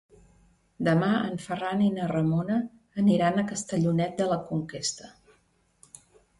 Demà en Ferran i na Ramona aniran a Castellonet de la Conquesta.